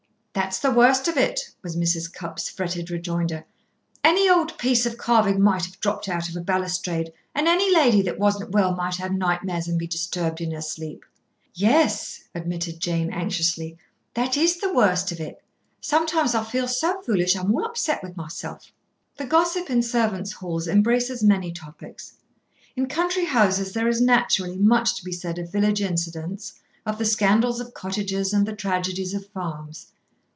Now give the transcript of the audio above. "That's the worst of it," was Mrs. Cupp's fretted rejoinder. "Any old piece of carving might have dropped out of a balustrade, and any lady that wasn't well might have nightmare and be disturbed in her sleep." "Yes," admitted Jane, anxiously, "that is the worst of it. Sometimes I feel so foolish I'm all upset with myself." The gossip in servants' halls embraces many topics. In country houses there is naturally much to be said of village incidents, of the scandals of cottages and the tragedies of farms.